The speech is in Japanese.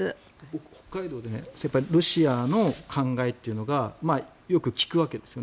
僕、北海道でロシアの考えというのがよく聞くわけです。